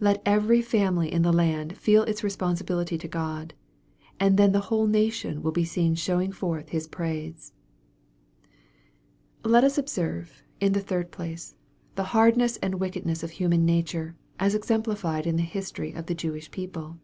Let every family in the land feel its responsibility to God, and then the whole nation will be seen showing forth His praise. Let us observe, in the third place, the hardness and wickedness of human nature, as exemplified in the history of the Jewish people.